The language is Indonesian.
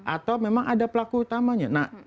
atau memang ada pelaku utamanya